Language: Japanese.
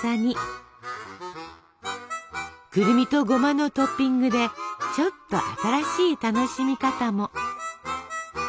くるみとゴマのトッピングでちょっと新しい楽しみ方も。